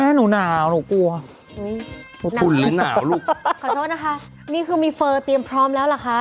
ก็แม่หนูหนาวหนูกลัวคุณหรือนาวลูกขอโทษนะคะนี่คือมีเฟอร์เตรียมพร้อมแล้วล่ะค่ะ